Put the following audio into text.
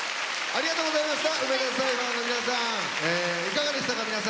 ありがとうございます！